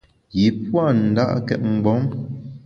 Yi pua’ nda’két mgbom.